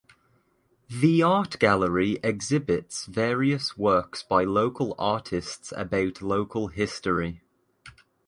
The art gallery exhibits various works by local artists about local history.